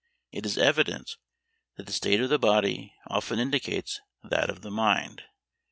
It is evident that the state of the body often indicates that of the mind.